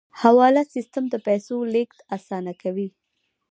حواله سیستم د پیسو لیږد اسانه کوي